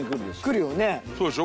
そうでしょ？